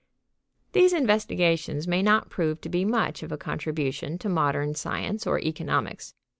These investigations may not prove to be much of a contribution to modern science or economics.